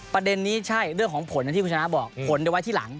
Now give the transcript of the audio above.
ประเด็นนี้ใช่เรื่องของผลอย่างที่คุณชนะบอกผลจะไว้ที่หลัง